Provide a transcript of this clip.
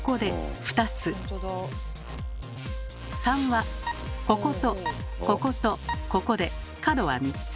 ３はこことこことここで角は３つ。